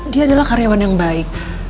dia adalah karyawan yang baik